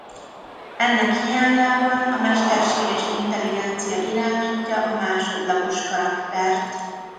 Ennek hiányában a mesterséges intelligencia irányítja a másodlagos karaktert.